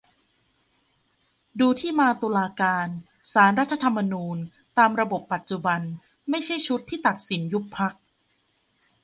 ดูที่มาตุลาการ ศาลรัฐธรรมนูญ ตามระบบปัจจุบัน ไม่ใช่ชุดที่ตัดสินยุบพรรค